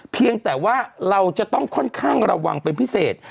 เพียงแต่ว่าเราจะต้องค่อนข้างระวังเป็นพิเศษ